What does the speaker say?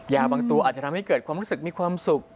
ยาบางตัวอาจจะทำให้เกิดความรู้สึกมีความสุข